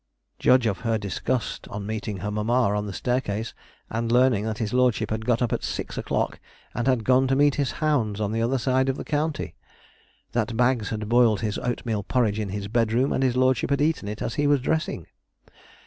Judge of her disgust on meeting her mamma on the staircase at learning that his lordship had got up at six o'clock, and had gone to meet his hounds on the other side of the county. That Baggs had boiled his oatmeal porridge in his bedroom, and his lordship had eaten it as he was dressing.